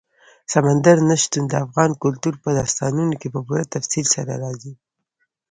سمندر نه شتون د افغان کلتور په داستانونو کې په پوره تفصیل سره راځي.